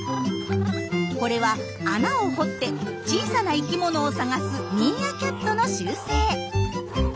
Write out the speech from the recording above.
これは穴を掘って小さな生きものを探すミーアキャットの習性。